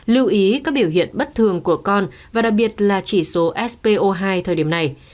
lưu ý các biểu hiện bất thường của con và đặc biệt là chỉ số spo hai thời điểm này